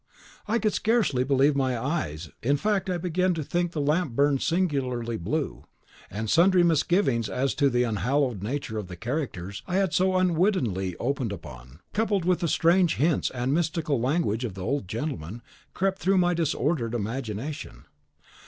I could scarcely believe my eyes: in fact, I began to think the lamp burned singularly blue; and sundry misgivings as to the unhallowed nature of the characters I had so unwittingly opened upon, coupled with the strange hints and mystical language of the old gentleman, crept through my disordered imagination.